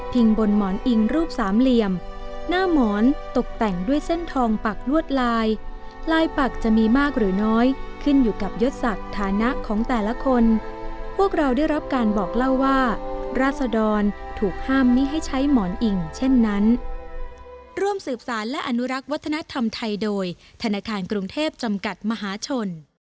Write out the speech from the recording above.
คมคมคมคมคมคมคมคมคมคมคมคมคมคมคมคมคมคมคมคมคมคมคมคมคมคมคมคมคมคมคมคมคมคมคมคมคมคมคมคมคมคมคมคมคมคมคมคมคมคมคมคมคมคมคมค